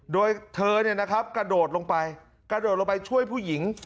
โดยเธอเนี่ยนะครับกระโดดลงไปกระโดดลงไปช่วยผู้หญิง